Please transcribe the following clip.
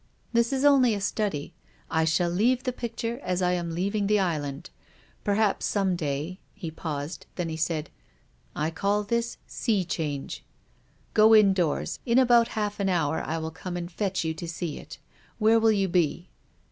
" This is only a study. I shall leave the pic ture as I am leaving the Island. Perhaps some day —" He paused. Then he said :" I call this ' Sea Change.' Go indoors. In about half an hour I will come and fetch you to see it. Where will you be